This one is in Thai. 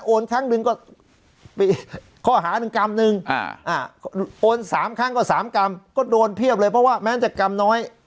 โอน๓ครั้งก็๓กรรมก็โดนเพียบเลยเพราะว่ามันจะกรรมน้อย